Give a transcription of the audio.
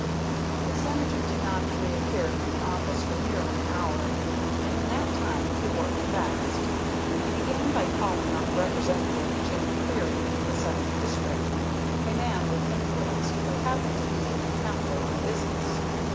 The Senator did not reappear from the office for nearly an hour, and in that time he worked fast. He began by calling up Representative Jim Cleary of the Seventh District, a man with influence who happened to be in the capital on business.